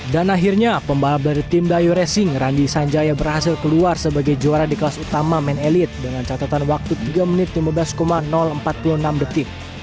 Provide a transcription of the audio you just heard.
dan akhirnya pembalap dari tim dayo racing randi sanjaya berhasil keluar sebagai juara di kelas utama main elite dengan catatan waktu tiga menit lima belas empat puluh enam detik